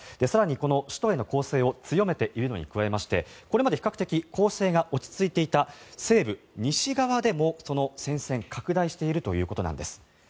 更に首都への攻勢を強めているのに加えましてこれまで比較的攻勢が落ち着いていた西部、西側でも戦線が拡大しているということなんです。